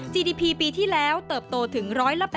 ดีพีปีที่แล้วเติบโตถึง๑๘๐